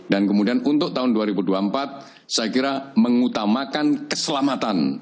dan kemudian untuk tahun dua ribu dua puluh empat saya kira mengutamakan keselamatan